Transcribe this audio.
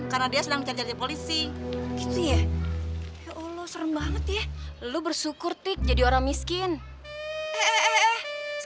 karena dia sedang cari polisi gitu ya oh serem banget ya lu bersyukur tik jadi orang miskin hehehe